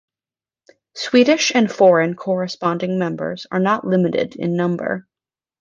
Swedish and foreign "corresponding members" are not limited in number.